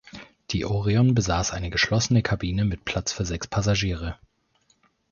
Die Orion besaß eine geschlossene Kabine mit Platz für sechs Passagiere.